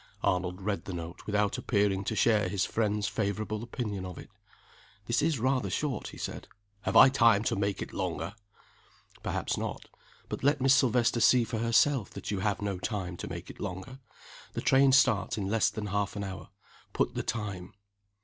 Arnold read the note without appearing to share his friend's favorable opinion of it. "This is rather short," he said. "Have I time to make it longer?" "Perhaps not. But let Miss Silvester see for herself that you have no time to make it longer. The train starts in less than half an hour. Put the time."